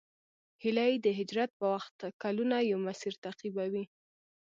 هیلۍ د هجرت په وخت کلونه یو مسیر تعقیبوي